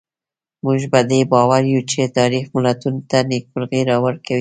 موږ په دې باور یو چې تاریخ ملتونو ته نېکمرغي ورکوي.